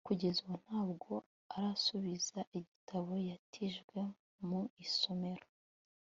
kugeza ubu ntabwo arasubiza igitabo yatijwe mu isomero